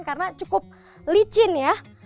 karena cukup licin ya